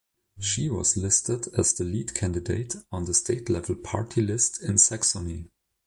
She was listed as the lead candidate on the state-level party list in Saxony.